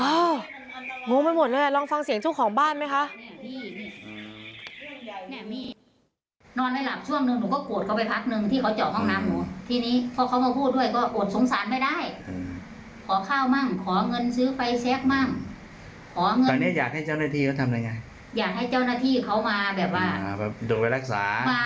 โอ้โง่ไปหมดเลยลองฟังเสียงชุกของบ้านไหมคะ